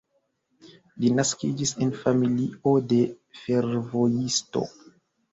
Li naskiĝis en familio de fervojisto.